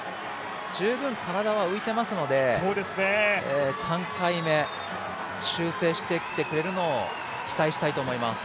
十分体は浮いてますので３回目、修正してきてくれるのを、期待したいと思います。